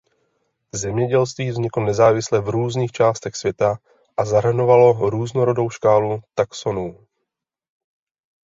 Zemědělství vzniklo nezávisle v různých částech světa a zahrnovalo různorodou škálu taxonů.